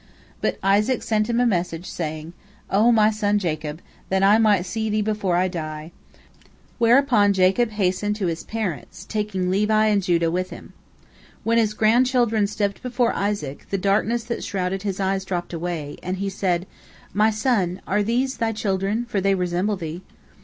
But Isaac sent him a message, saying, "O my son Jacob, that I might see thee before I die," whereupon Jacob hastened to his parents, taking Levi and Judah with him. When his grandchildren stepped before Isaac, the darkness that shrouded his eyes dropped away, and he said, "My son, are these thy children, for they resemble thee?"